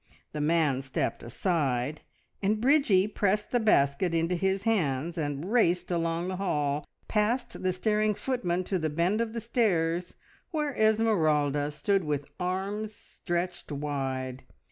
The man stepped aside, and Bridgie pressed the basket into his hands and raced along the hall, past the staring footmen to the bend of the stairs, where Esmeralda stood with arms stretched wide.